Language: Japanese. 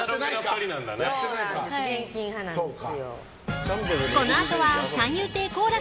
現金派なんです。